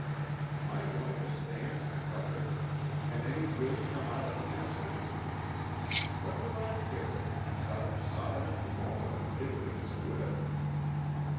Am I going to stand carping, 'Can any good come out of Nazareth?' What do I care if it comes out of Sodom and Gomorrah, if it is good?"